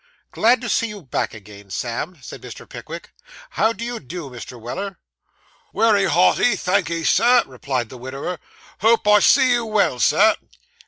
'Glad to see you back again, Sam,' said Mr. Pickwick. 'How do you do, Mr. Weller?' 'Wery hearty, thank'ee, sir,' replied the widower; 'hope I see you well, sir.